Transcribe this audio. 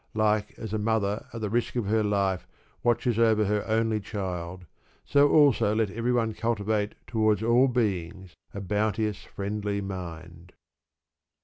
Like as a mother at the risk of her life watches over her only child, so also let every one cultivate towards all beings a bounteous friendly mind.